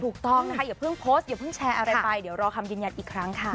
ถูกต้องนะคะอย่าเพิ่งโพสต์อย่าเพิ่งแชร์อะไรไปเดี๋ยวรอคำยืนยันอีกครั้งค่ะ